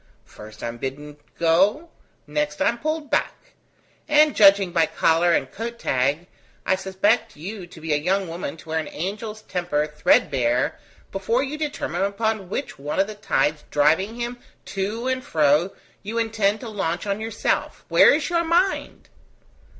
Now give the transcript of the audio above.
First I am bidden go; next I am pulled back; and judging by collar and coat tag, I suspect you to be a young woman to wear an angel's temper threadbare before you determine upon which one of the tides driving him to and fro you intend to launch on yourself, Where is your mind?"